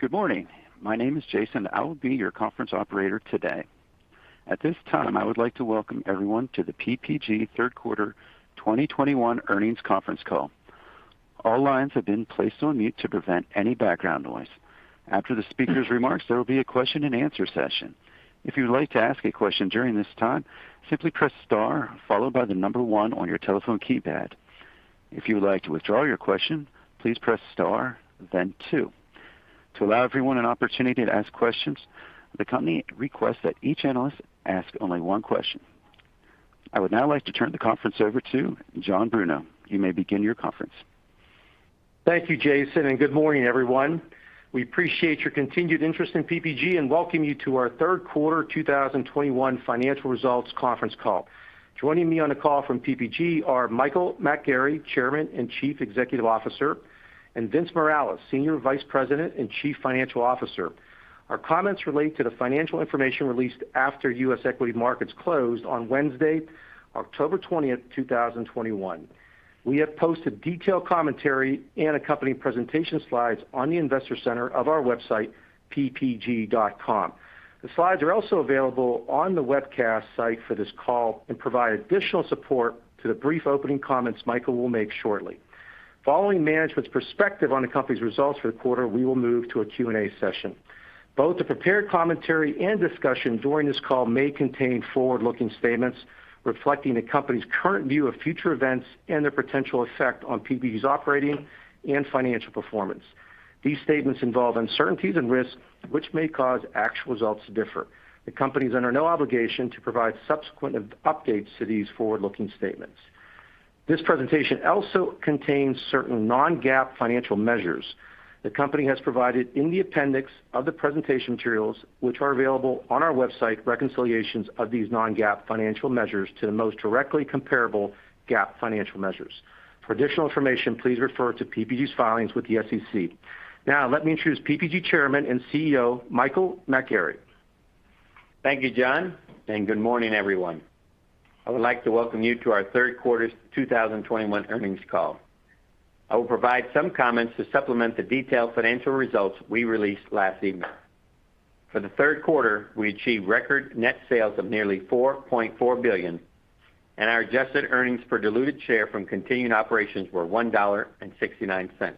Good morning. My name is Jason. I will be your conference operator today. At this time, I would like to welcome everyone to the PPG Q3 2021 earnings conference call. All lines have been placed on mute to prevent any background noise. After the speaker's remarks, there will be a question and answer session. If you would like to ask a question during this time, simply press star, followed by the number one on your telephone keypad. If you would like to withdraw your question, please press star, then two. To allow everyone an opportunity to ask questions, the company requests that each analyst ask only one question. I would now like to turn the conference over to John Bruno. You may begin your conference. Thank you, Jason, and good morning, everyone. We appreciate your continued interest in PPG and welcome you to our Q3 2021 financial results conference call. Joining me on the call from PPG are Michael McGarry, Chairman and Chief Executive Officer, and Vince Morales, Senior Vice President and Chief Financial Officer. Our comments relate to the financial information released after U.S. equity markets closed on Wednesday, October 20th, 2021. We have posted detailed commentary and accompanying presentation slides on the investor center of our website, ppg.com. The slides are also available on the webcast site for this call and provide additional support to the brief opening comments Michael will make shortly. Following management's perspective on the company's results for the quarter, we will move to a Q&A session. Both the prepared commentary and discussion during this call may contain forward-looking statements reflecting the company's current view of future events and their potential effect on PPG's operating and financial performance. These statements involve uncertainties and risks which may cause actual results to differ. The company's under no obligation to provide subsequent updates to these forward-looking statements. This presentation also contains certain non-GAAP financial measures. The company has provided, in the appendix of the presentation materials, which are available on our website, reconciliations of these non-GAAP financial measures to the most directly comparable GAAP financial measures. For additional information, please refer to PPG's filings with the SEC. Let me introduce PPG Chairman and CEO, Michael McGarry. Thank you, John, and good morning, everyone. I would like to welcome you to our Q3 2021 earnings call. I will provide some comments to supplement the detailed financial results we released last evening. For the Q3, we achieved record net sales of nearly $4.4 billion, and our adjusted earnings per diluted share from continuing operations were $1.69.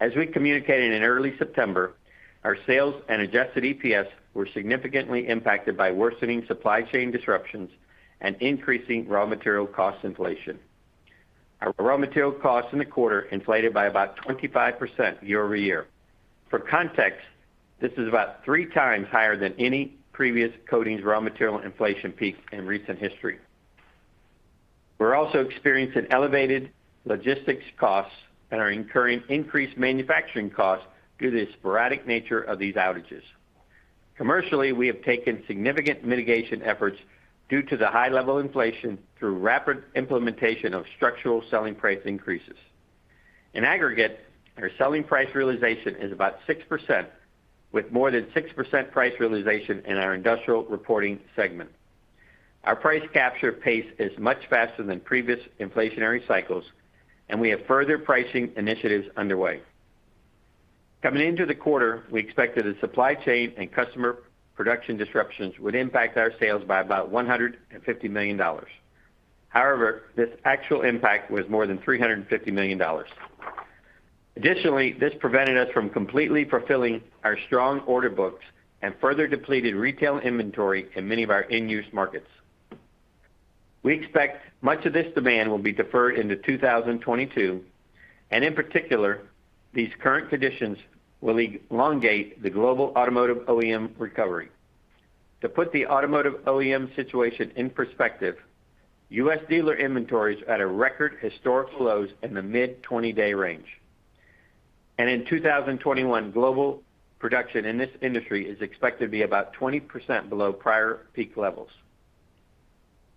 As we communicated in early September, our sales and adjusted EPS were significantly impacted by worsening supply chain disruptions and increasing raw material cost inflation. Our raw material costs in the quarter inflated by about 25% year-over-year. For context, this is about three times higher than any previous coatings raw material inflation peak in recent history. We're also experiencing elevated logistics costs and are incurring increased manufacturing costs due to the sporadic nature of these outages. Commercially, we have taken significant mitigation efforts due to the high level of inflation through rapid implementation of structural selling price increases. In aggregate, our selling price realization is about 6%, with more than 6% price realization in our industrial reporting segment. Our price capture pace is much faster than previous inflationary cycles, and we have further pricing initiatives underway. Coming into the quarter, we expected that supply chain and customer production disruptions would impact our sales by about $150 million. However, this actual impact was more than $350 million. Additionally, this prevented us from completely fulfilling our strong order books and further depleted retail inventory in many of our end-use markets. We expect much of this demand will be deferred into 2022, and in particular, these current conditions will elongate the global automotive OEM recovery. To put the automotive OEM situation in perspective, U.S. dealer inventory is at record historical lows in the mid 20-day range. In 2021, global production in this industry is expected to be about 20% below prior peak levels.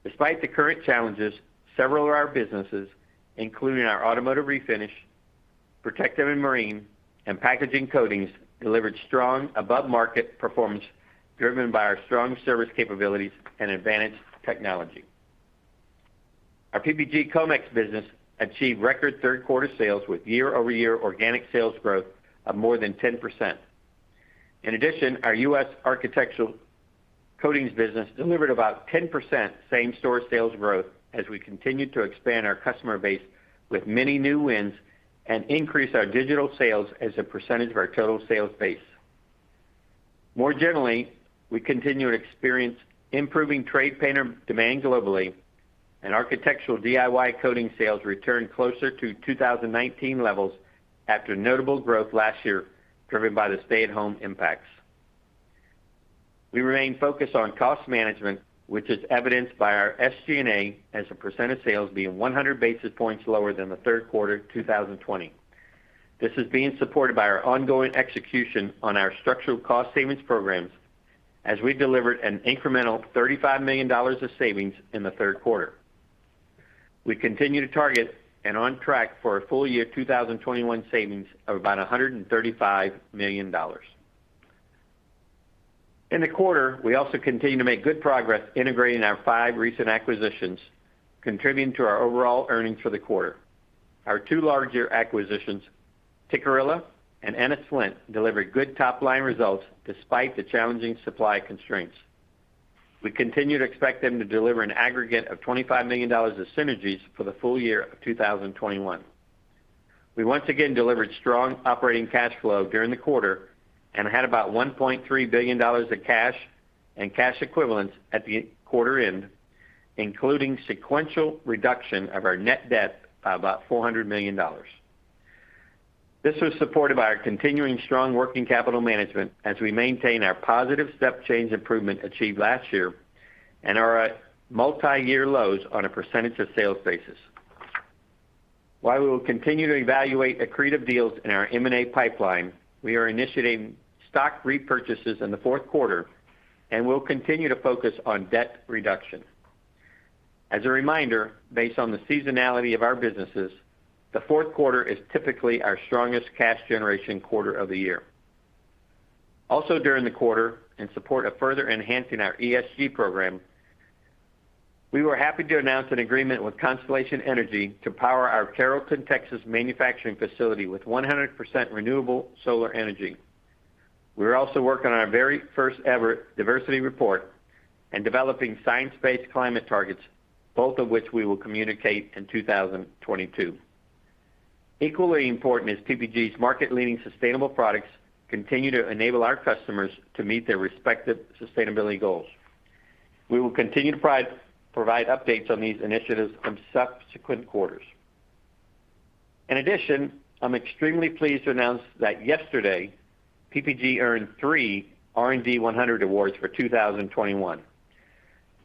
Despite the current challenges, several of our businesses, including our automotive refinish, protective and marine, and packaging coatings, delivered strong above-market performance driven by our strong service capabilities and advantage technology. Our PPG Comex business achieved record Q3 sales with year-over-year organic sales growth of more than 10%. In addition, our U.S. architectural coatings business delivered about 10% same store sales growth as we continue to expand our customer base with many new wins and increase our digital sales as a percentage of our total sales base. More generally, we continue to experience improving trade painter demand globally and architectural DIY coating sales return closer to 2019 levels after notable growth last year driven by the stay-at-home impacts. We remain focused on cost management, which is evidenced by our SG&A as a percent of sales being 100 basis points lower than the Q3 2020. This is being supported by our ongoing execution on our structural cost savings programs as we delivered an incremental $35 million of savings in the Q3. We continue to target and on track for a full year 2021 savings of about $135 million. In the quarter, we also continued to make good progress integrating our five recent acquisitions, contributing to our overall earnings for the quarter. Our two larger acquisitions, Tikkurila and Ennis-Flint, delivered good top-line results despite the challenging supply constraints. We continue to expect them to deliver an aggregate of $25 million of synergies for the full year of 2021. We once again delivered strong operating cash flow during the quarter and had about $1.3 billion of cash and cash equivalents at the quarter end, including sequential reduction of our net debt by about $400 million. This was supported by our continuing strong working capital management as we maintain our positive step change improvement achieved last year and are at multi-year lows on a percentage of sales basis. While we will continue to evaluate accretive deals in our M&A pipeline, we are initiating stock repurchases in the Q4 and will continue to focus on debt reduction. As a reminder, based on the seasonality of our businesses, the Q4 is typically our strongest cash generation quarter of the year. Also during the quarter, in support of further enhancing our ESG program, we were happy to announce an agreement with Constellation Energy to power our Carrollton, Texas, manufacturing facility with 100% renewable solar energy. We're also working on our very first-ever diversity report and developing science-based climate targets, both of which we will communicate in 2022. Equally important is PPG's market-leading sustainable products continue to enable our customers to meet their respective sustainability goals. We will continue to provide updates on these initiatives in subsequent quarters. In addition, I'm extremely pleased to announce that yesterday, PPG earned three R&D 100 Awards for 2021.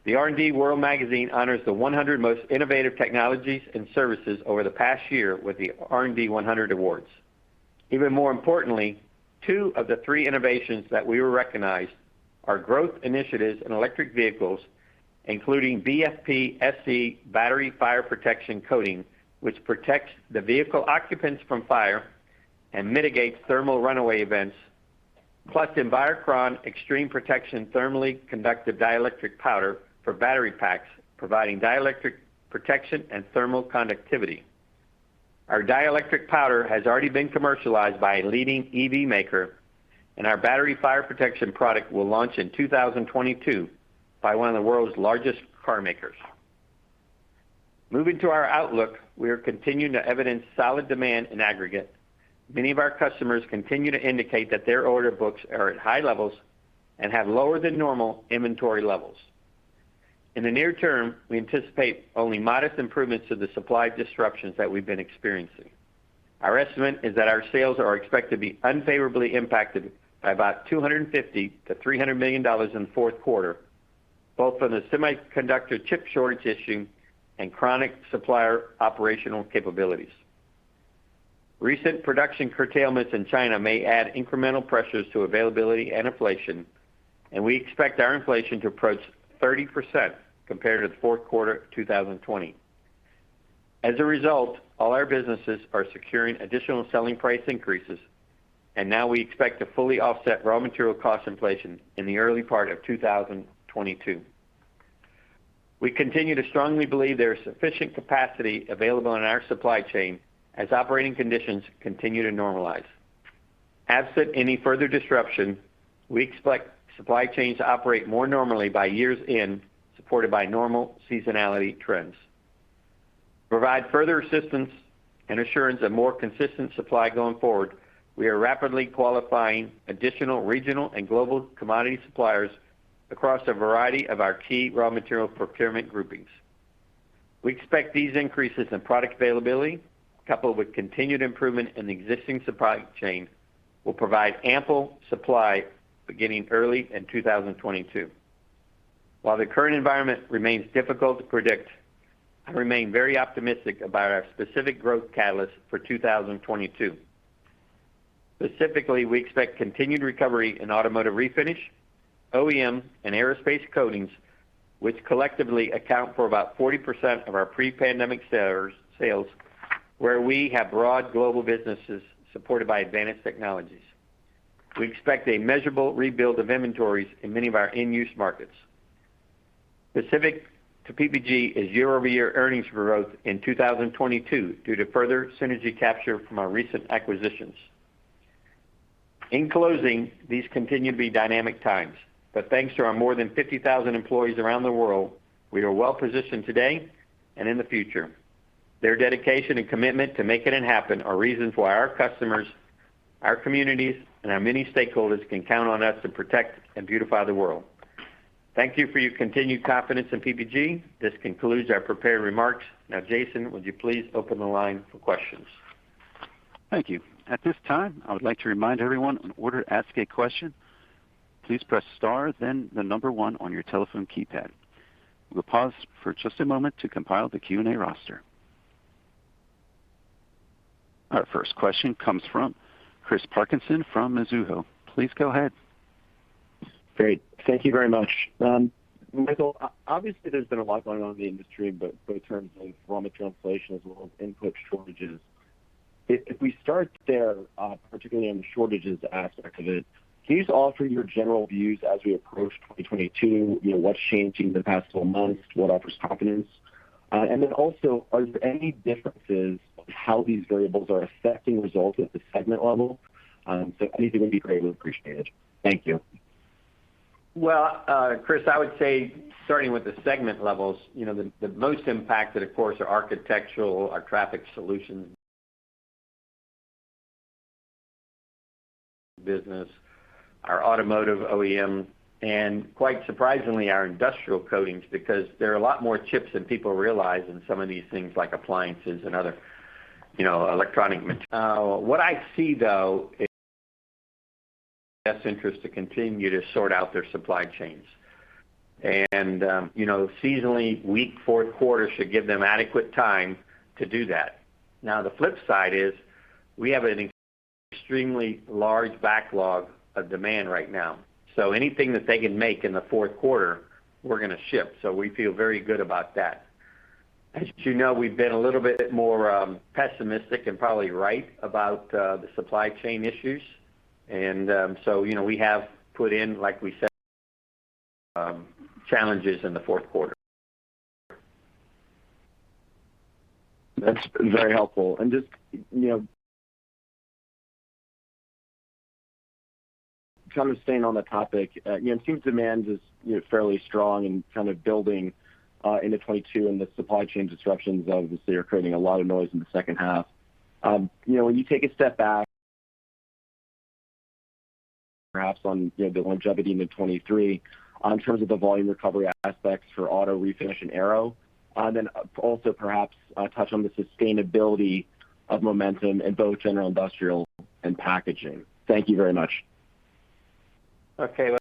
The R&D World Magazine honors the 100 most innovative technologies and services over the past year with the R&D 100 Awards. Even more importantly, two of the three innovations that we were recognized are growth initiatives in electric vehicles, including BFP-SE battery fire protection coating, which protects the vehicle occupants from fire and mitigates thermal runaway events, plus Envirocron Extreme Protection thermally conductive dielectric powder for battery packs, providing dielectric protection and thermal conductivity. Our dielectric powder has already been commercialized by a leading EV maker. Our battery fire protection product will launch in 2022 by one of the world's largest car makers. Moving to our outlook, we are continuing to evidence solid demand in aggregate. Many of our customers continue to indicate that their order books are at high levels and have lower than normal inventory levels. In the near term, we anticipate only modest improvements to the supply disruptions that we've been experiencing. Our estimate is that our sales are expected to be unfavorably impacted by about $250 million-$300 million in the Q4, both from the semiconductor chip shortage issue and chronic supplier operational capabilities. Recent production curtailments in China may add incremental pressures to availability and inflation, and we expect our inflation to approach 30% compared to the Q4 of 2020. As a result, all our businesses are securing additional selling price increases, and now we expect to fully offset raw material cost inflation in the early part of 2022. We continue to strongly believe there is sufficient capacity available in our supply chain as operating conditions continue to normalize. Absent any further disruption, we expect supply chains to operate more normally by year's end, supported by normal seasonality trends. To provide further assistance and assurance of more consistent supply going forward, we are rapidly qualifying additional regional and global commodity suppliers across a variety of our key raw material procurement groupings. We expect these increases in product availability, coupled with continued improvement in the existing supply chain, will provide ample supply beginning early in 2022. While the current environment remains difficult to predict, I remain very optimistic about our specific growth catalysts for 2022. Specifically, we expect continued recovery in automotive refinish, OEM, and aerospace coatings, which collectively account for about 40% of our pre-pandemic sales, where we have broad global businesses supported by advanced technologies. We expect a measurable rebuild of inventories in many of our end-use markets. Specific to PPG is year-over-year earnings growth in 2022 due to further synergy capture from our recent acquisitions. In closing, these continue to be dynamic times, but thanks to our more than 50,000 employees around the world, we are well positioned today and in the future. Their dedication and commitment to making it happen are reasons why our customers, our communities, and our many stakeholders can count on us to protect and beautify the world. Thank you for your continued confidence in PPG. This concludes our prepared remarks. Now, Jason, would you please open the line for questions? Thank you. At this time, I would like to remind everyone, in order to ask a question, please press star then the number one on your telephone keypad. We'll pause for just a moment to compile the Q&A roster. Our first question comes from Chris Parkinson from Mizuho. Please go ahead. Great. Thank you very much. Michael, obviously, there's been a lot going on in the industry, both in terms of raw material inflation as well as input shortages. If we start there, particularly on the shortages aspect of it, please offer your general views as we approach 2022. What's changed in the past 12 months? What offers confidence? Then also, are there any differences on how these variables are affecting results at the segment level? Anything would be greatly appreciated. Thank you. Well, Chris, I would say starting with the segment levels, the most impacted, of course, are architectural, our traffic solutions business, our automotive OEM, and quite surprisingly, our industrial coatings, because there are a lot more chips than people realize in some of these things like appliances and other electronic materials. What I see, though, is best interest to continue to sort out their supply chains. Seasonally, weak Q4 should give them adequate time to do that. The flip side is we have an extremely large backlog of demand right now. Anything that they can make in the Q4, we're going to ship. We feel very good about that. As you know, we've been a little bit more pessimistic and probably right about the supply chain issues. We have put in, like we said, challenges in the Q4. That's very helpful. Just kind of staying on the topic, it seems demand is fairly strong and kind of building into 2022, and the supply chain disruptions, obviously, are creating a lot of noise in the H2. When you take a step back perhaps on the longevity into 2023, in terms of the volume recovery aspects for auto refinish and aero, and then also perhaps touch on the sustainability of momentum in both general industrial and packaging. Thank you very much. Okay.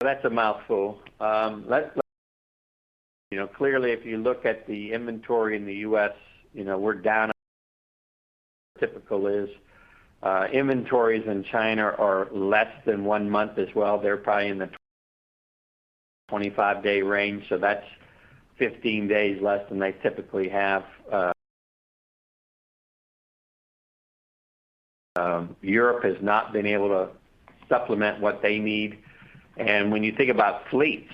That's a mouthful. Clearly, if you look at the inventory in the U.S., we're down typical is. Inventories in China are less than one month as well. They're probably in the 25-day range, so that's 15 days less than they typically have. Europe has not been able to supplement what they need. When you think about fleets,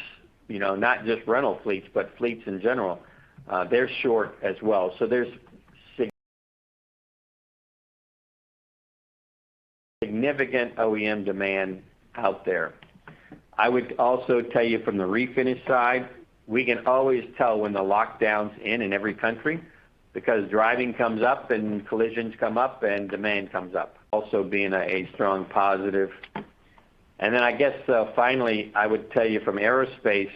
not just rental fleets, but fleets in general, they're short as well. There's significant OEM demand out there. I would also tell you from the refinish side, we can always tell when the lockdown's in in every country, because driving comes up and collisions come up and demand comes up, also being a strong positive. I guess, finally, I would tell you from aerospace,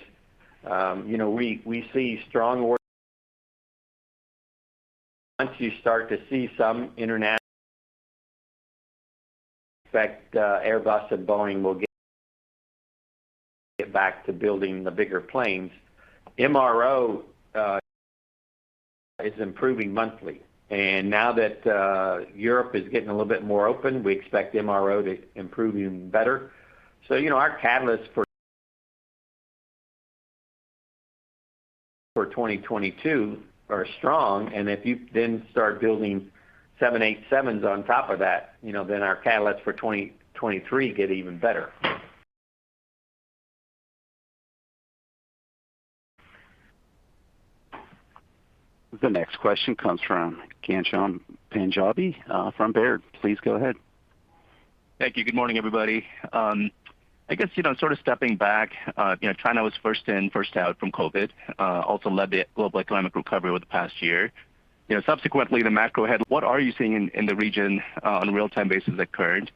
we see strong orders. Once you start to see some international effect, Airbus and Boeing will get back to building the bigger planes. MRO is improving monthly. Now that Europe is getting a little bit more open, we expect MRO to improve even better. Our catalysts for 2022 are strong, and if you then start building 787s on top of that, then our catalysts for 2023 get even better. The next question comes from Ghansham Panjabi from Baird. Please go ahead. Thank you. Good morning, everybody. I guess, sort of stepping back, China was first in, first out from COVID, also led the global economic recovery over the past year. Subsequently, what are you seeing in the region on a real-time basis at current?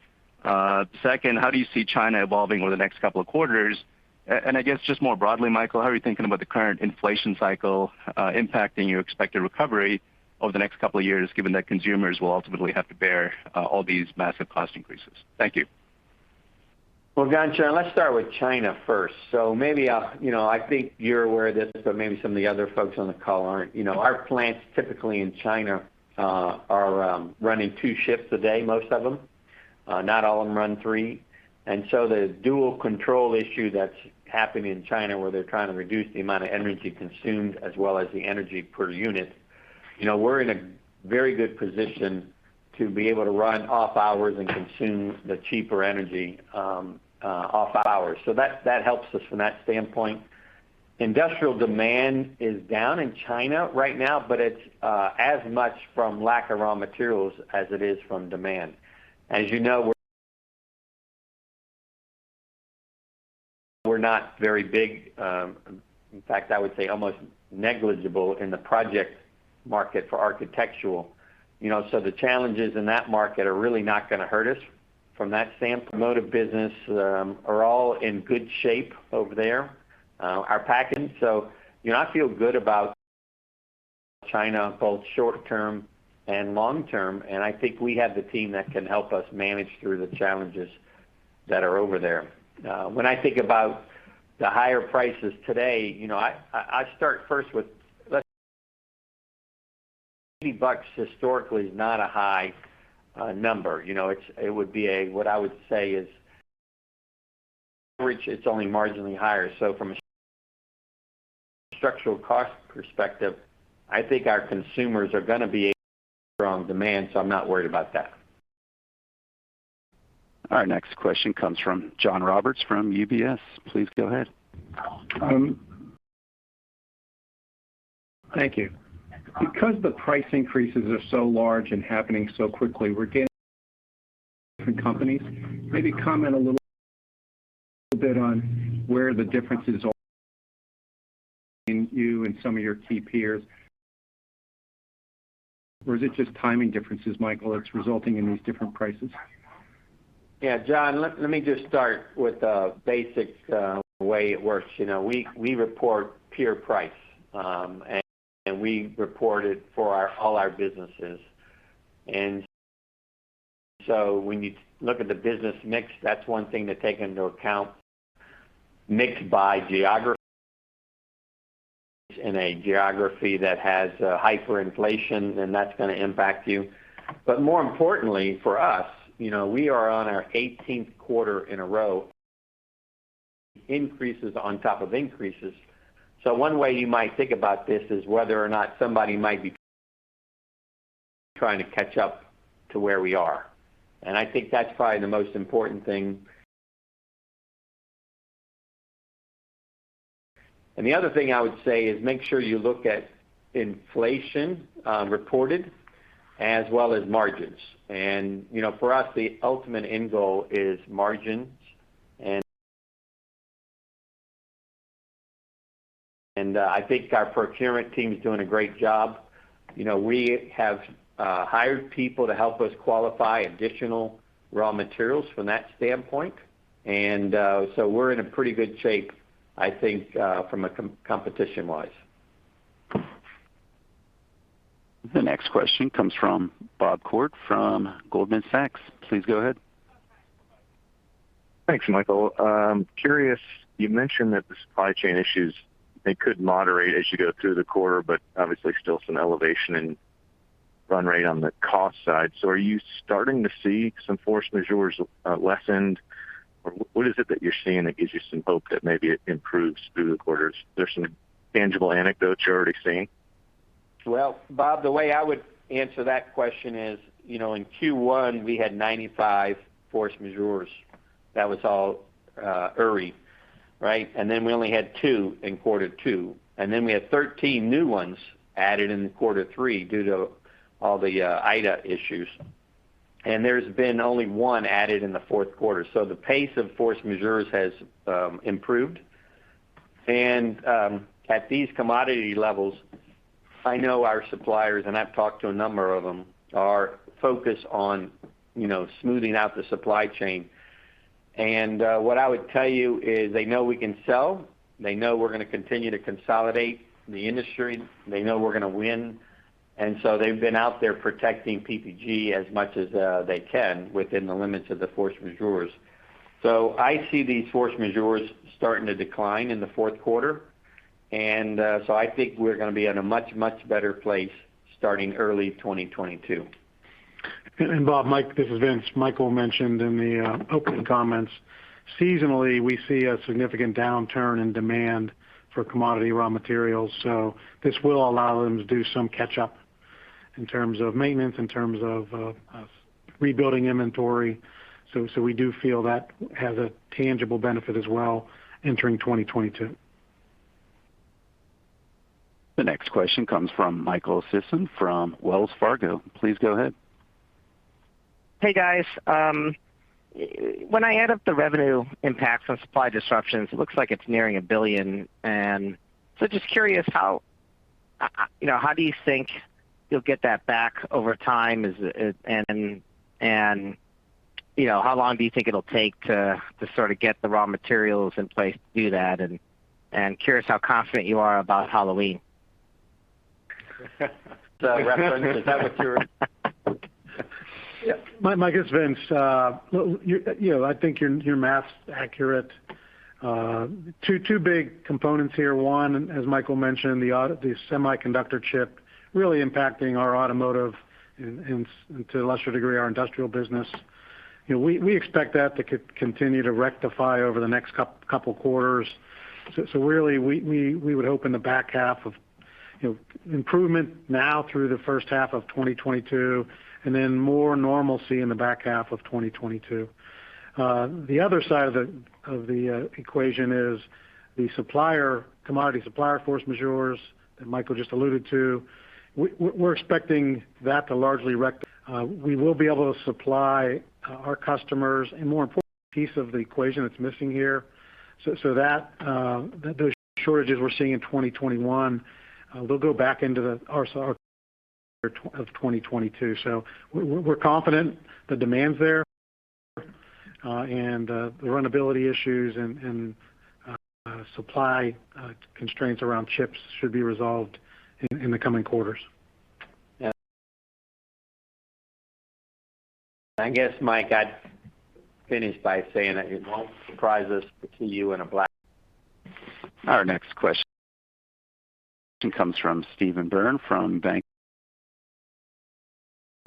Second, how do you see China evolving over the next couple of quarters? I guess just more broadly, Michael, how are you thinking about the current inflation cycle impacting your expected recovery over the next couple of years, given that consumers will ultimately have to bear all these massive cost increases? Thank you. Ghansham, let's start with China first. Maybe, I think you're aware of this, but maybe some of the other folks on the call aren't. Our plants typically in China are running two shifts a day, most of them. Not all of them run 3. The dual control issue that's happening in China, where they're trying to reduce the amount of energy consumed as well as the energy per unit, we're in a very good position to be able to run off hours and consume the cheaper energy off hours. That helps us from that standpoint. Industrial demand is down in China right now, but it's as much from lack of raw materials as it is from demand. You know, we're not very big, in fact, I would say almost negligible in the project market for architectural. The challenges in that market are really not going to hurt us from that standpoint. Automotive business are all in good shape over there. I feel good about China, both short term and long term, and I think we have the team that can help us manage through the challenges that are over there. When I think about the higher prices today, I start first with $80 historically is not a high number. It would be what I would say is, which it's only marginally higher. From a structural cost perspective, I think our consumers are going to be able to demand, so I'm not worried about that. Our next question comes from John Roberts from UBS. Please go ahead. Thank you. The price increases are so large and happening so quickly, we're getting different companies. Maybe comment a little bit on where the differences are between you and some of your key peers. Is it just timing differences, Michael, that's resulting in these different prices? John, let me just start with the basic way it works. We report peer price, and we report it for all our businesses. When you look at the business mix, that's one thing to take into account. Mix by geography. In a geography that has hyperinflation, that's going to impact you. More importantly for us, we are on our 18th quarter in a row increases on top of increases. One way you might think about this is whether or not somebody might be trying to catch up to where we are. I think that's probably the most important thing. The other thing I would say is make sure you look at inflation reported as well as margins. For us, the ultimate end goal is margins, and I think our procurement team's doing a great job. We have hired people to help us qualify additional raw materials from that standpoint. We're in a pretty good shape, I think, competition-wise. The next question comes from Bob Koort from Goldman Sachs. Please go ahead. Thanks, Michael. Curious, you mentioned that the supply chain issues, they could moderate as you go through the quarter, but obviously still some elevation in run rate on the cost side. Are you starting to see some force majeures lessened, or what is it that you're seeing that gives you some hope that maybe it improves through the quarters? There's some tangible anecdotes you're already seeing? Well, Bob, the way I would answer that question is, in Q1 we had 95 force majeures. That was all early, right? Then we only had two in quarter two, then we had 13 new ones added in quarter three due to all the Ida issues. There's been only one added in the Q4. The pace of force majeures has improved. At these commodity levels, I know our suppliers, and I've talked to a number of them, are focused on smoothing out the supply chain. What I would tell you is they know we can sell. They know we're going to continue to consolidate the industry. They know we're going to win. They've been out there protecting PPG as much as they can within the limits of the force majeures. I see these force majeures starting to decline in the Q4. I think we're going to be in a much, much better place starting early 2022. Bob, Mike, this is Vince. Michael mentioned in the opening comments, seasonally, we see a significant downturn in demand for commodity raw materials. This will allow them to do some catch up in terms of maintenance, in terms of rebuilding inventory. We do feel that has a tangible benefit as well entering 2022. The next question comes from Michael Sison from Wells Fargo. Please go ahead. Hey, guys. When I add up the revenue impacts on supply disruptions, it looks like it's nearing $1 billion. Just curious how do you think you'll get that back over time, and how long do you think it'll take to sort of get the raw materials in place to do that? Curious how confident you are about Halloween? The reference, is that what? Mike, it's Vince. I think your math's accurate. Two big components here. One, as Michael mentioned, the semiconductor chip really impacting our automotive and, to a lesser degree, our industrial business. We expect that to continue to rectify over the next couple of quarters. We would hope in the back half of improvement now through the H1 of 2022, and then more normalcy in the back half of 2022. The other side of the equation is the commodity supplier force majeures that Michael just alluded to. We're expecting that to largely. We will be able to supply our customers a more important piece of the equation that's missing here. Those shortages we're seeing in 2021 will go back into our of 2022. We're confident the demand's there. The runnability issues and supply constraints around chips should be resolved in the coming quarters. Yeah. I guess, Mike, I'd finish by saying that it won't surprise us to see you in a black. Our next question comes from Steven Byrne from Bank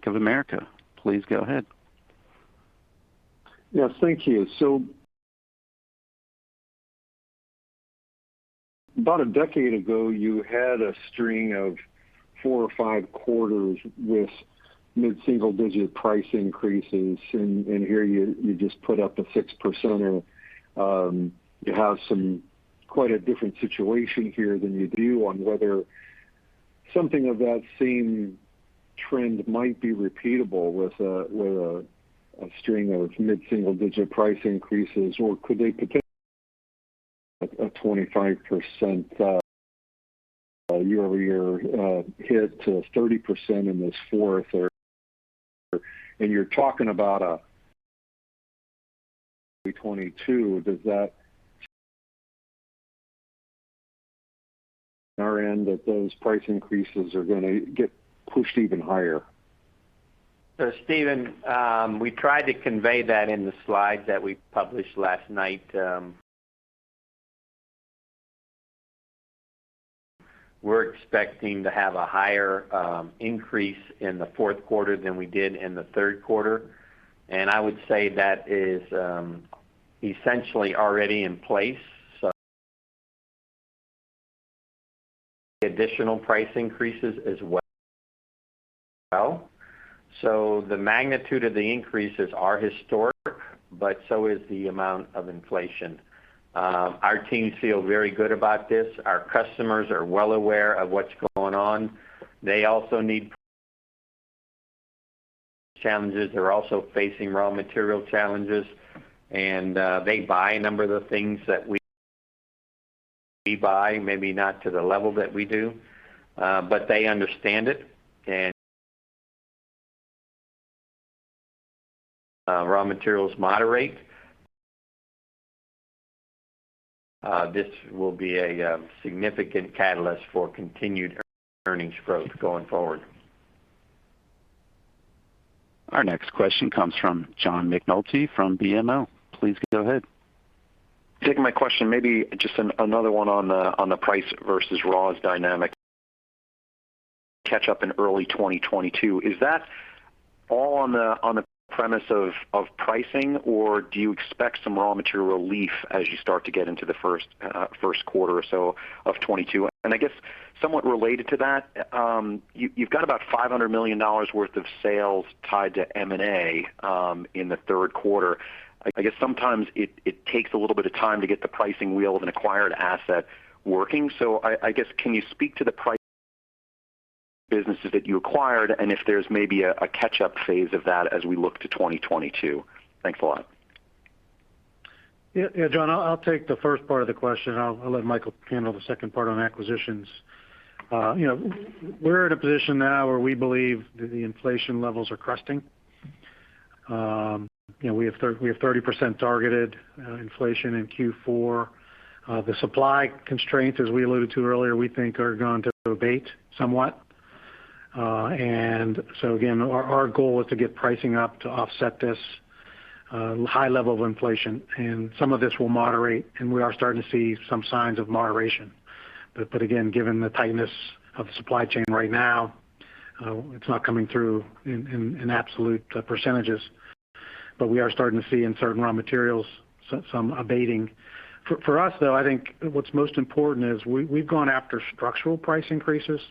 of America. Please go ahead. Yes, thank you. About a decade ago, you had a string of four or five quarters with mid-single-digit price increases, here you just put up a six percenter. You have quite a different situation here than you do on whether something of that same trend might be repeatable with a string of mid-single-digit price increases, could they potentially have a 25% year-over-year hit to 30% in this Q4, you're talking about a 2022, that those price increases are going to get pushed even higher? Steven, we tried to convey that in the slides that we published last night. We're expecting to have a higher increase in the Q4 than we did in the Q3. I would say that is essentially already in place. Additional price increases as well. The magnitude of the increases are historic, but so is the amount of inflation. Our teams feel very good about this. Our customers are well aware of what's going on. They also need challenges. They're also facing raw material challenges. They buy a number of the things that we buy, maybe not to the level that we do. They understand it and raw materials moderate. This will be a significant catalyst for continued earnings growth going forward. Our next question comes from John McNulty from BMO. Please go ahead. Taking my question, maybe just another one on the price versus raws dynamic catch up in early 2022. Is that all on the premise of pricing, or do you expect some raw material relief as you start to get into the Q1 or so of 2022? I guess somewhat related to that, you've got about $500 million worth of sales tied to M&A in the Q3. I guess sometimes it takes a little bit of time to get the pricing wheel of an acquired asset working. I guess, can you speak to the price businesses that you acquired, and if there's maybe a catch-up phase of that as we look to 2022? Thanks a lot. Yeah, John, I'll take the first part of the question. I'll let Michael handle the second part on acquisitions. We're in a position now where we believe that the inflation levels are cresting. We have 30% targeted inflation in Q4. The supply constraints, as we alluded to earlier, we think are going to abate somewhat. Again, our goal is to get pricing up to offset this high level of inflation. Some of this will moderate, and we are starting to see some signs of moderation. Again, given the tightness of the supply chain right now, it's not coming through in absolute percentages. We are starting to see in certain raw materials some abating. For us, though, I think what's most important is we've gone after structural price increases.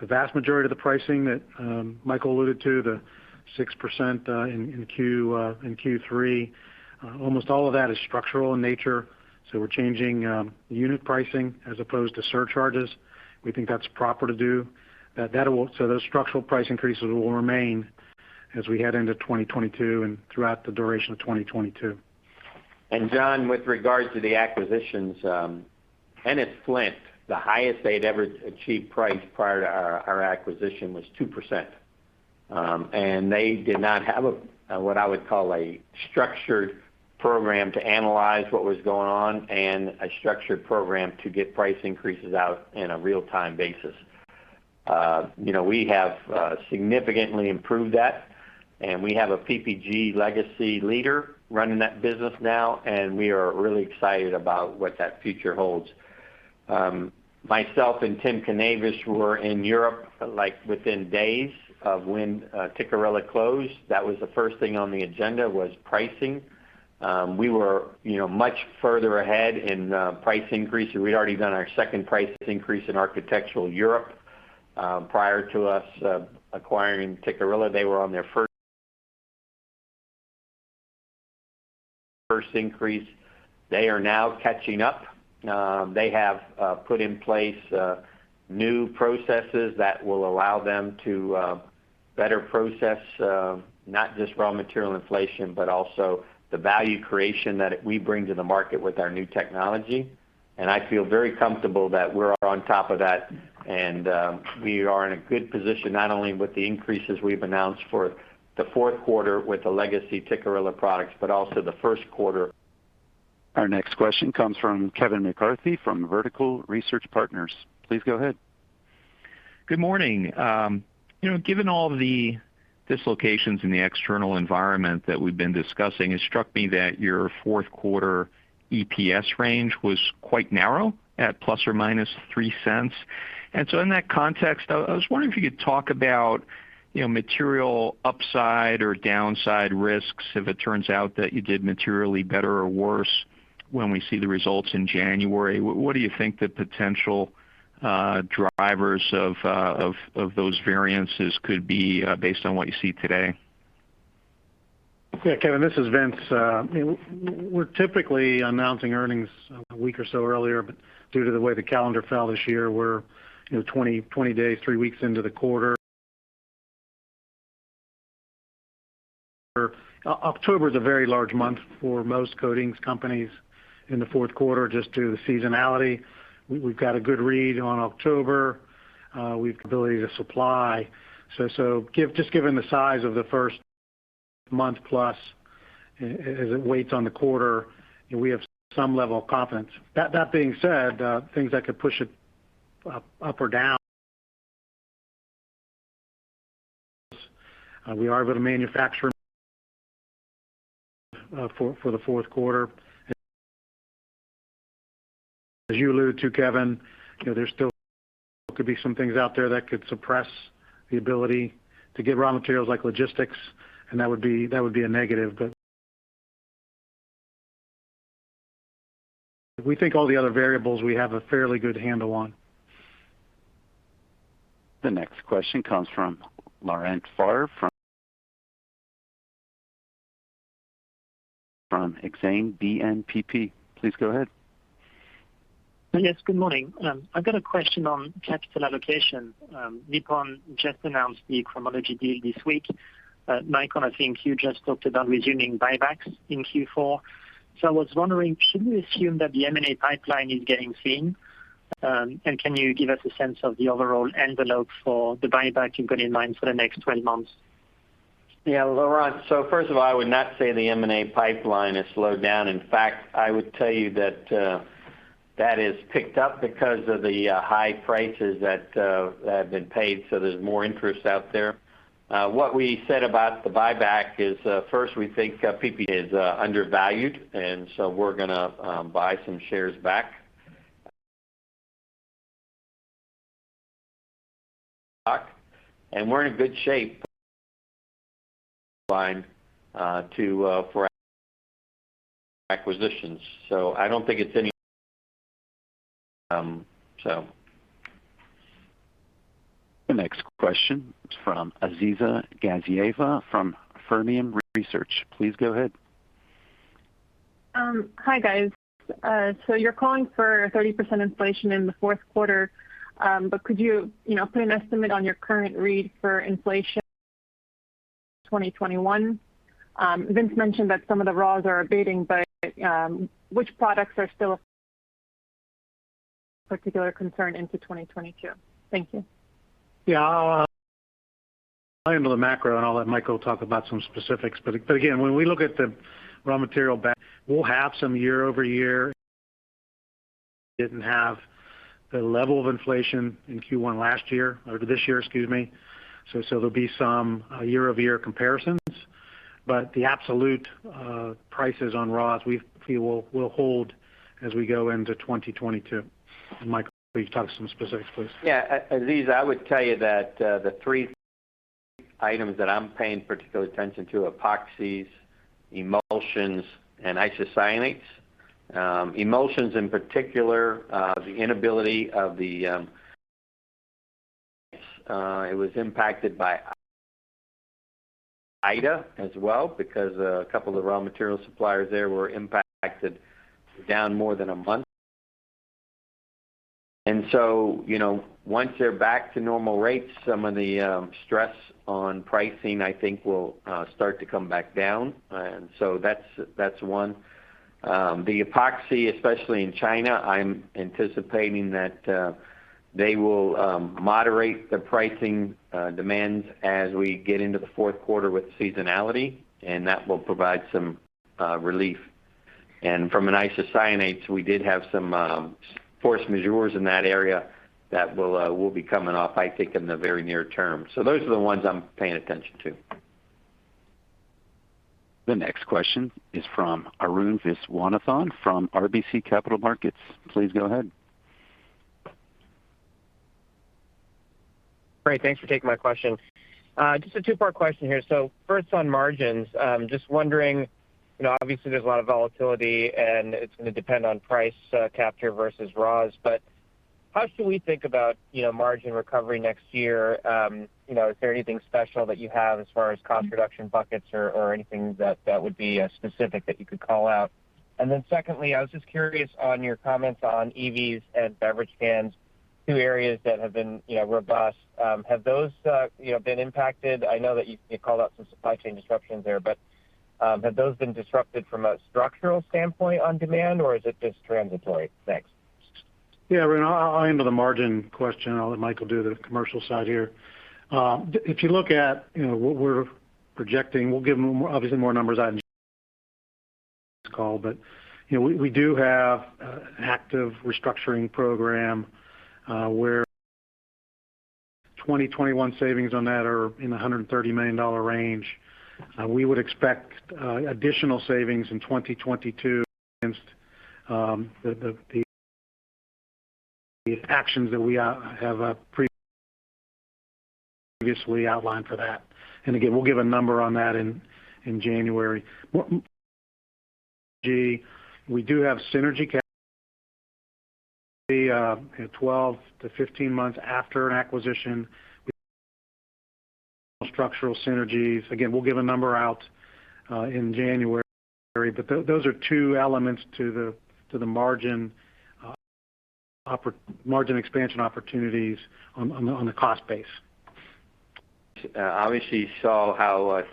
The vast majority of the pricing that Michael alluded to, the 6% in Q3, almost all of that is structural in nature. We're changing unit pricing as opposed to surcharges. We think that's proper to do. Those structural price increases will remain as we head into 2022 and throughout the duration of 2022. John, with regards to the acquisitions, Ennis-Flint, the highest they'd ever achieved price prior to our acquisition was 2%. They did not have what I would call a structured program to analyze what was going on and a structured program to get price increases out in a real-time basis. We have significantly improved that, and we have a PPG legacy leader running that business now, and we are really excited about what that future holds. Myself and Tim Knavish were in Europe within days of when Tikkurila closed. That was the first thing on the agenda was pricing. We were much further ahead in price increase. We'd already done our second price increase in architectural Europe. Prior to us acquiring Tikkurila, they were on their first increase. They are now catching up. They have put in place new processes that will allow them to better process not just raw material inflation, but also the value creation that we bring to the market with our new technology. I feel very comfortable that we're on top of that, and we are in a good position, not only with the increases we've announced for the Q4 with the legacy Tikkurila products, but also the Q1. Our next question comes from Kevin McCarthy from Vertical Research Partners. Please go ahead. Good morning. Given all the dislocations in the external environment that we've been discussing, it struck me that your Q4 EPS range was quite narrow at ±$0.03. In that context, I was wondering if you could talk about material upside or downside risks, if it turns out that you did materially better or worse when we see the results in January. What do you think the potential drivers of those variances could be based on what you see today? Yeah, Kevin, this is Vince. Due to the way the calendar fell this year, we're 20 days, three weeks into the quarter. October is a very large month for most coatings companies in the Q4, just due to the seasonality. We've got a good read on October. We've the ability to supply. Just given the size of the first month plus as it weighs on the quarter, we have some level of confidence. That being said, things that could push it up or down. We are able to manufacture for the Q4. As you alluded to, Kevin, there could be some things out there that could suppress the ability to get raw materials like logistics, and that would be a negative, but we think all the other variables we have a fairly good handle on. The next question comes from Laurent Favre from Exane BNPP. Please go ahead. Yes, good morning. I've got a question on capital allocation. Nippon just announced the Cromology deal this week. Mike, I think you just talked about resuming buybacks in Q4. I was wondering, should we assume that the M&A pipeline is getting thin? Can you give us a sense of the overall envelope for the buyback you've got in mind for the next 12 months? Yeah, Laurent. First of all, I would not say the M&A pipeline has slowed down. In fact, I would tell you that has picked up because of the high prices that have been paid. There's more interest out there. What we said about the buyback is, first, we think PPG is undervalued. We're going to buy some shares back. We're in good shape for acquisitions. I don't think it's any. The next question is from Aziza Gazieva from Fermium Research. Please go ahead. Hi, guys. You're calling for 30% inflation in the Q4, but could you put an estimate on your current read for inflation 2021? Vince mentioned that some of the raws are abating, but which products are still a particular concern into 2022? Thank you. Yeah. I'll handle the macro, and I'll let Michael talk about some specifics. Again, when we look at the raw material back, we'll have some year-over-year. Didn't have the level of inflation in Q1 this year, excuse me. There'll be some year-over-year comparisons. Michael, please talk to some specifics, please. Yeah. Aziza, I would tell you that the three items that I'm paying particular attention to, epoxies, emulsions, and isocyanates. Emulsions in particular, it was impacted by Ida as well, because a couple of raw material suppliers there were impacted, down more than a month. Once they're back to normal rates, some of the stress on pricing, I think, will start to come back down. That's one. The epoxy, especially in China, I'm anticipating that they will moderate the pricing demands as we get into the Q4 with seasonality, and that will provide some relief. From an isocyanates, we did have some force majeures in that area that will be coming off, I think, in the very near term. Those are the ones I'm paying attention to. The next question is from Arun Viswanathan from RBC Capital Markets. Please go ahead. Great. Thanks for taking my question. Just a two-part question here. First on margins, just wondering, obviously there's a lot of volatility, and it's going to depend on price capture versus raws, but how should we think about margin recovery next year? Is there anything special that you have as far as cost reduction buckets or anything that would be specific that you could call out? Secondly, I was just curious on your comments on EVs and beverage cans, two areas that have been robust. Have those been impacted? I know that you called out some supply chain disruptions there, but have those been disrupted from a structural standpoint on demand, or is it just transitory? Thanks. Yeah, Arun. I'll handle the margin question, and I'll let Michael do the commercial side here. If you look at what we're projecting, we'll give obviously more numbers out in this call. We do have an active restructuring program where 2021 savings on that are in the $130 million range. We would expect additional savings in 2022 against the actions that we have previously outlined for that. Again, we'll give a number on that in January. We do have synergy 12-15 months after an acquisition. Structural synergies. Again, we'll give a number out in January. Those are two elements to the margin expansion opportunities on the cost base. Obviously saw how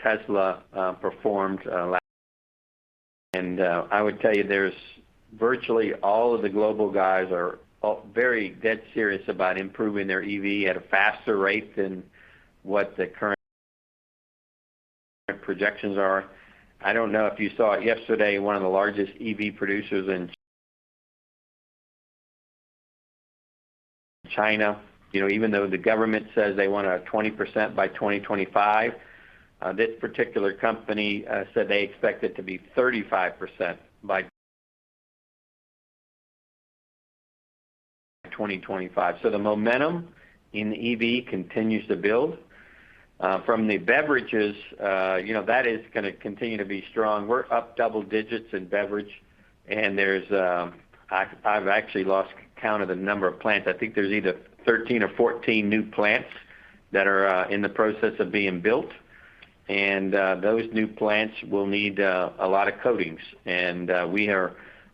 Tesla performed last, I would tell you virtually all of the global guys are very dead serious about improving their EV at a faster rate than what the current projections are. I don't know if you saw it yesterday, one of the largest EV producers in China, even though the government says they want a 20% by 2025, this particular company said they expect it to be 35% by 2025. The momentum in EV continues to build. From the beverages, that is going to continue to be strong. We're up double digits in beverage, I've actually lost count of the number of plants. I think there's either 13 or 14 new plants that are in the process of being built. Those new plants will need a lot of coatings. We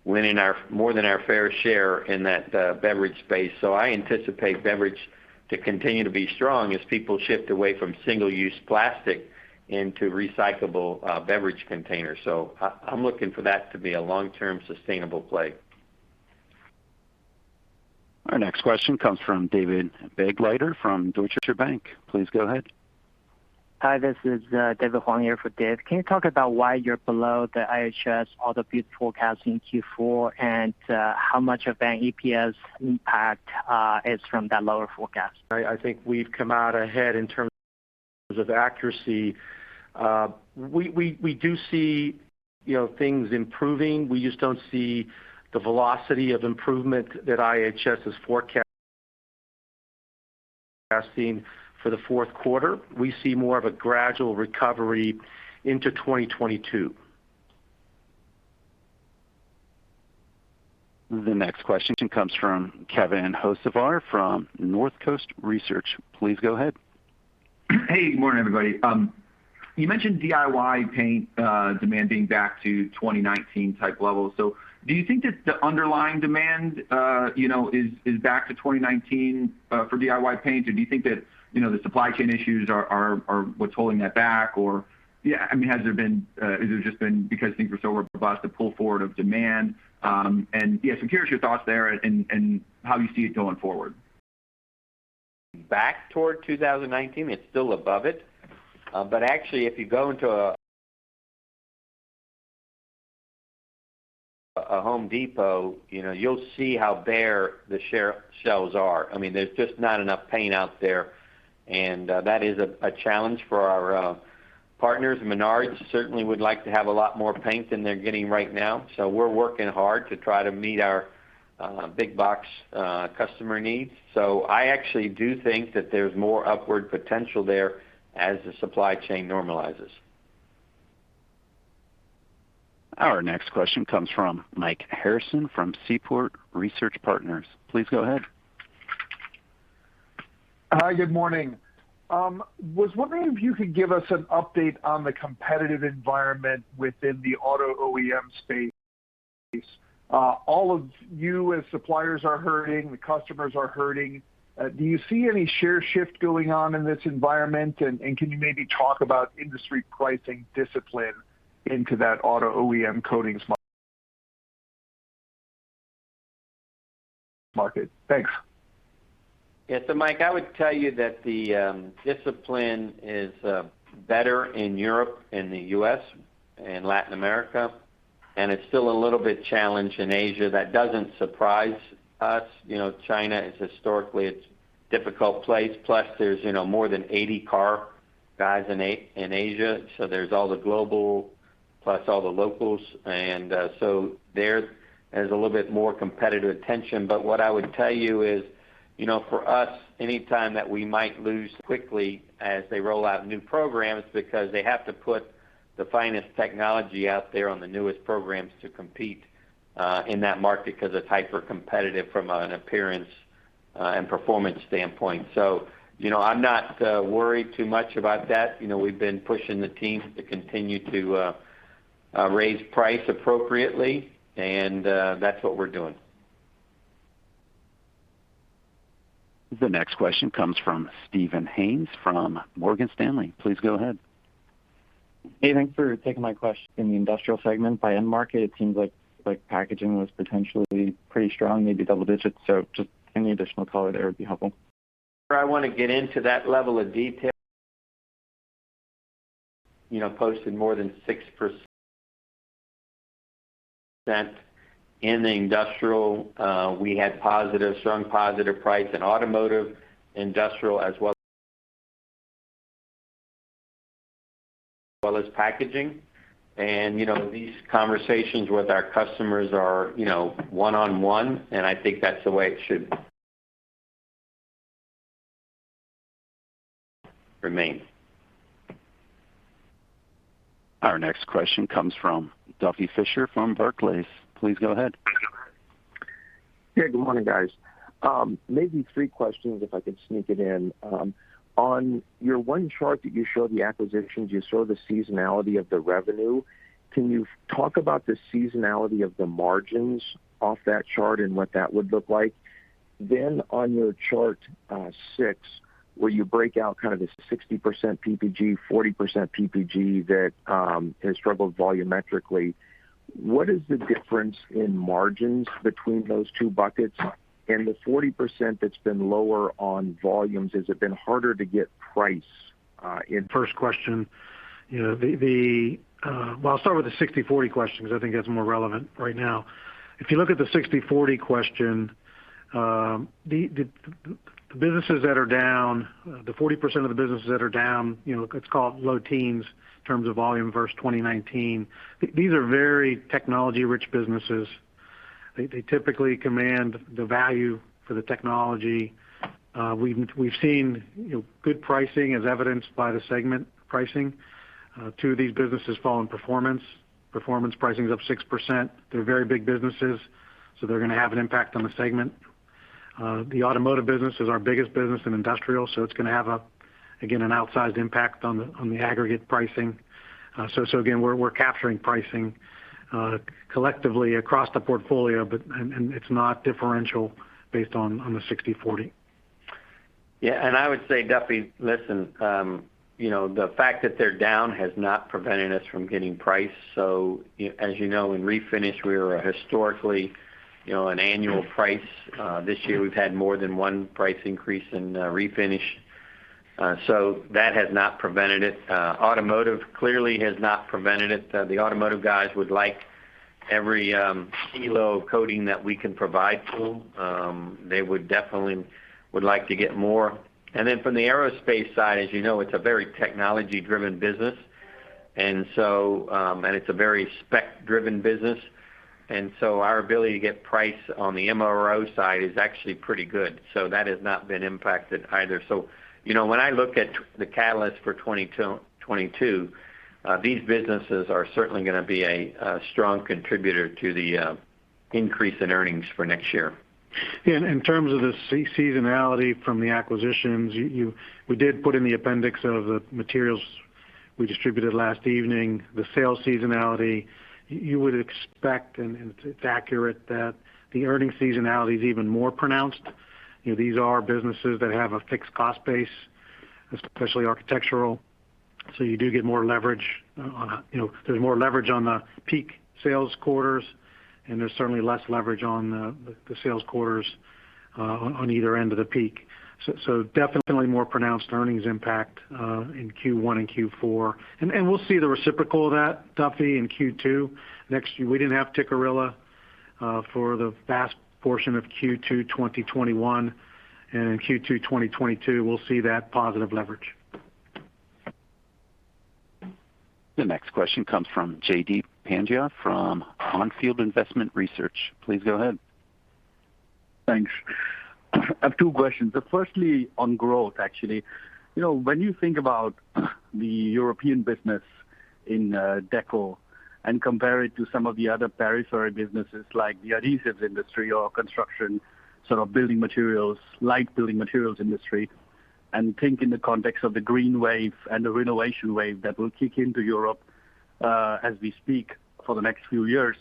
are winning more than our fair share in that beverage space. I anticipate beverage to continue to be strong as people shift away from single-use plastic into recyclable beverage containers. I'm looking for that to be a long-term sustainable play. Our next question comes from David Begleiter from Deutsche Bank. Please go ahead. Hi, this is David Huang here for Dave. Can you talk about why you're below the IHS AutoView forecast in Q4, and how much of an EPS impact is from that lower forecast? I think we've come out ahead in terms of accuracy. We do see things improving. We just don't see the velocity of improvement that IHS is forecasting for the Q4. We see more of a gradual recovery into 2022. The next question comes from Kevin Hocevar from Northcoast Research. Please go ahead. Hey, good morning, everybody. You mentioned DIY paint demanding back to 2019 type levels. Do you think that the underlying demand is back to 2019 for DIY paint, or do you think that the supply chain issues are what's holding that back, or has it just been because things were so robust, the pull forward of demand? I am curious your thoughts there and how you see it going forward. Back toward 2019. It's still above it. Actually, if you go into a Home Depot, you'll see how bare the shelves are. There's just not enough paint out there, and that is a challenge for our partners. Menards certainly would like to have a lot more paint than they're getting right now. We're working hard to try to meet our big box customer needs. I actually do think that there's more upward potential there as the supply chain normalizes. Our next question comes from Mike Harrison from Seaport Research Partners. Please go ahead. Hi, good morning. Was wondering if you could give us an update on the competitive environment within the auto OEM space. All of you as suppliers are hurting, the customers are hurting. Do you see any share shift going on in this environment? Can you maybe talk about industry pricing discipline into that auto OEM coatings market? Thanks. Yeah. Mike, I would tell you that the discipline is better in Europe, in the U.S., and Latin America, and it's still a little bit challenged in Asia. That doesn't surprise us. China is historically a difficult place. There's more than 80 car guys in Asia, there's all the global plus all the locals. There's a little bit more competitive tension. What I would tell you is, for us, any time that we might lose quickly as they roll out new programs, because they have to put the finest technology out there on the newest programs to compete in that market, because it's hyper-competitive from an appearance and performance standpoint. I'm not worried too much about that. We've been pushing the teams to continue to raise price appropriately, and that's what we're doing. The next question comes from Steve Haynes from Morgan Stanley. Please go ahead. Hey, thanks for taking my question. In the industrial segment, by end market, it seems like packaging was potentially pretty strong, maybe double digits. Just any additional color there would be helpful. I want to get into that level of detail. Posted more than 6% in the industrial. We had strong positive price in automotive, industrial, as well as packaging. These conversations with our customers are one-on-one, and I think that's the way it should remain. Our next question comes from Duffy Fischer from Barclays. Please go ahead. Yeah. Good morning, guys. Maybe three questions, if I could sneak it in. On your one chart that you showed the acquisitions, you showed the seasonality of the revenue. Can you talk about the seasonality of the margins off that chart and what that would look like? On your chart six, where you break out kind of the 60% PPG, 40% PPG that has struggled volumetrically, what is the difference in margins between those two buckets? The 40% that's been lower on volumes, has it been harder to get price? In first question, well, I'll start with the 60/40 question, because I think that's more relevant right now. If you look at the 60/40 question, the 40% of the businesses that are down, let's call it low teens in terms of volume versus 2019. These are very technology-rich businesses. They typically command the value for the technology. We've seen good pricing as evidenced by the segment pricing. Two of these businesses fall in performance. Performance pricing's up 6%. They're very big businesses, they're going to have an impact on the segment. The automotive business is our biggest business in industrial, it's going to have, again, an outsized impact on the aggregate pricing. Again, we're capturing pricing collectively across the portfolio, and it's not differential based on the 60/40. Yeah, I would say, Duffy, listen. The fact that they're down has not prevented us from getting price. As you know, in refinish, we are a historically an annual price. This year, we've had more than one price increase in refinish. That has not prevented it. Automotive clearly has not prevented it. The automotive guys would like every kilo of coating that we can provide to them. They would definitely would like to get more. Then from the aerospace side, as you know, it's a very technology-driven business, and it's a very spec-driven business. Our ability to get price on the MRO side is actually pretty good. That has not been impacted either. When I look at the catalyst for 2022, these businesses are certainly going to be a strong contributor to the increase in earnings for next year. Yeah. In terms of the seasonality from the acquisitions, we did put in the appendix of the materials we distributed last evening, the sales seasonality. You would expect, and it's accurate, that the earnings seasonality is even more pronounced. These are businesses that have a fixed cost base, especially architectural. You do get more leverage on the peak sales quarters, and there's certainly less leverage on the sales quarters on either end of the peak. Definitely more pronounced earnings impact in Q1 and Q4. We'll see the reciprocal of that, Duffy, in Q2 next year. We didn't have Tikkurila for the vast portion of Q2 2021, and in Q2 2022, we'll see that positive leverage. The next question comes from Jaideep Pandya from On Field Investment Research. Please go ahead. Thanks. I have two questions. Firstly, on growth, actually. When you think about the European business in Deco and compare it to some of the other periphery businesses like the adhesives industry or construction, sort of building materials, light building materials industry, and think in the context of the green wave and the renovation wave that will kick into Europe as we speak for the next few years.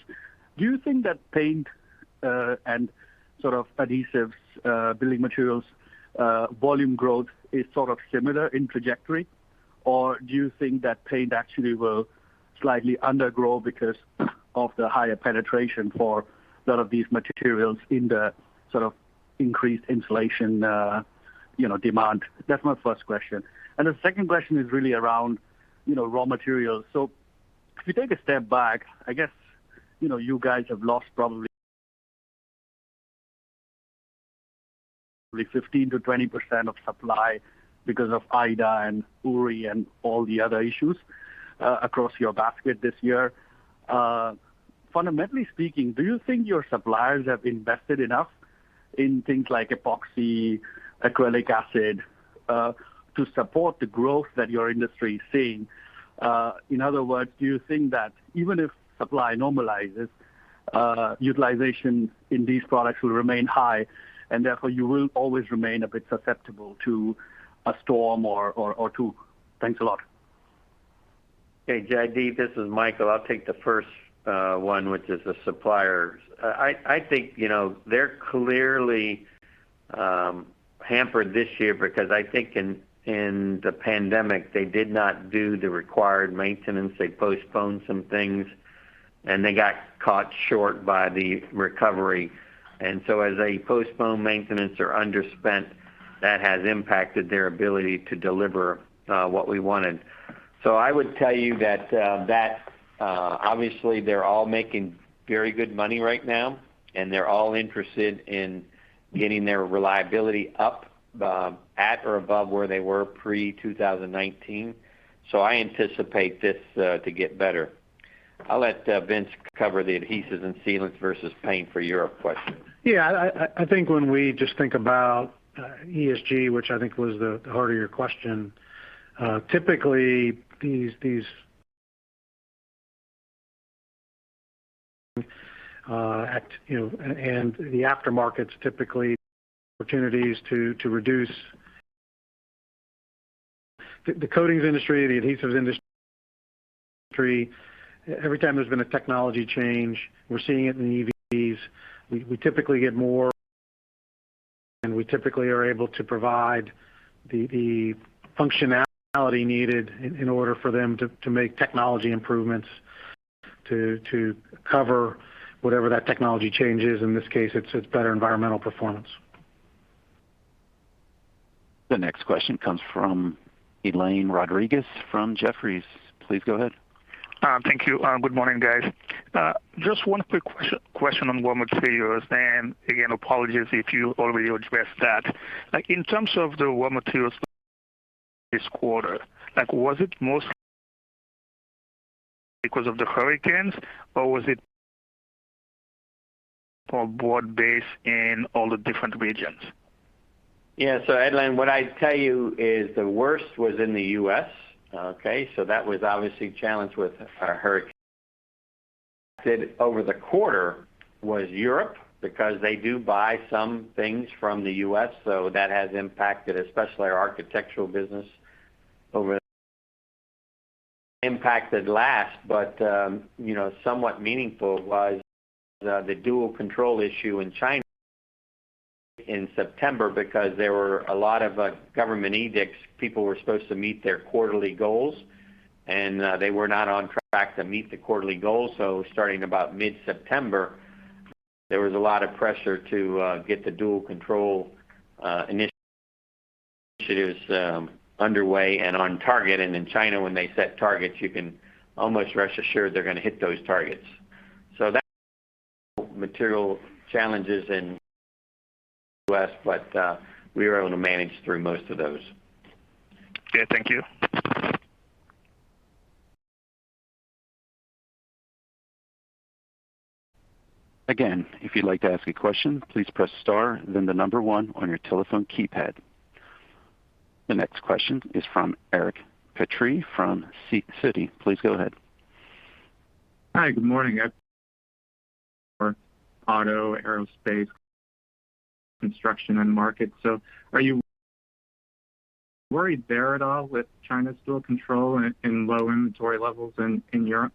Do you think that paint actually will slightly undergrow because of the higher penetration for a lot of these materials in the sort of increased insulation demand? That's my first question. The second question is really around raw materials. If you take a step back, I guess, you guys have lost probably 15%-20% of supply because of Ida and Uri and all the other issues across your basket this year. Fundamentally speaking, do you think your suppliers have invested enough in things like epoxy, acrylic acid, to support the growth that your industry is seeing? In other words, do you think that even if supply normalizes, utilization in these products will remain high, and therefore you will always remain a bit susceptible to a storm or two? Thanks a lot. Hey, Jaideep, this is Michael. I'll take the first one, which is the suppliers. I think they're clearly hampered this year because I think in the pandemic, they did not do the required maintenance. They postponed some things. They got caught short by the recovery. As they postpone maintenance or underspent, that has impacted their ability to deliver what we wanted. I would tell you that obviously, they're all making very good money right now, and they're all interested in getting their reliability up, at or above where they were pre-2019. I anticipate this to get better. I'll let Vince cover the adhesives and sealants versus paint for your question. Yeah. I think when we just think about ESG, which I think was the heart of your question, typically these act, and the aftermarkets typically opportunities to reduce the coatings industry, the adhesives industry. Every time there's been a technology change, we're seeing it in the EVs. We typically get more, and we typically are able to provide the functionality needed in order for them to make technology improvements to cover whatever that technology change is. In this case, it's better environmental performance. The next question comes from Edlain Rodriguez from Jefferies. Please go ahead. Thank you. Good morning, guys. Just one quick question on raw materials. Again, apologies if you already addressed that. In terms of the raw materials this quarter, was it mostly because of the hurricanes or was it more broad-based in all the different regions? Edlain, what I'd tell you is the worst was in the U.S., okay? That was obviously challenged with our Hurricane Ida. Over the quarter was Europe, because they do buy some things from the U.S., so that has impacted especially our architectural business. Impacted last, but somewhat meaningful was the dual control issue in China in September because there were a lot of government edicts. People were supposed to meet their quarterly goals and they were not on track to meet the quarterly goals. Starting about mid-September, there was a lot of pressure to get the dual control initiatives underway and on target. In China, when they set targets, you can almost rest assured they're going to hit those targets. That material challenges in West, but we were able to manage through most of those. Okay, thank you. Again, if you'd like to ask a question, please press star then the number 1 on your telephone keypad. The next question is from Eric Petrie from Citi. Please go ahead. Hi. Good morning, guys. Auto, aerospace, construction end markets. Are you worried there at all with China's dual control and low inventory levels in Europe?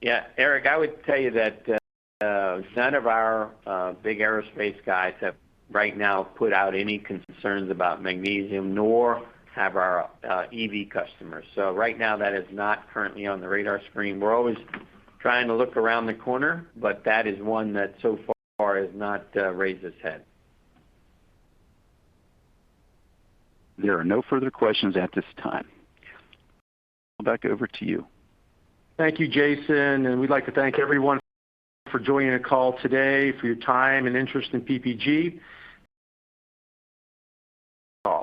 Yeah, Eric, I would tell you that none of our big aerospace guys have right now put out any concerns about magnesium, nor have our EV customers. Right now, that is not currently on the radar screen. We're always trying to look around the corner, but that is one that so far has not raised its head. There are no further questions at this time. Back over to you. Thank you, Jason, and we'd like to thank everyone for joining the call today, for your time and interest in PPG.